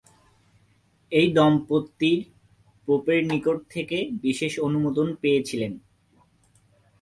এই দম্পতির পোপের নিকট থেকে বিশেষ অনুমোদন পেয়েছিলেন।